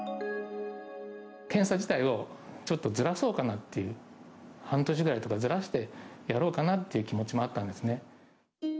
検査自体をちょっとずらそうかなっていう、半年ぐらいとかずらしてやろうかなっていう気持ちもあったんですね。